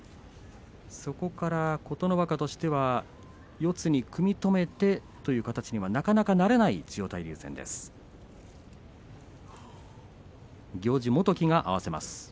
そこから琴ノ若としては四つに組み止めてという形にはなかなかなれない千代大龍戦です。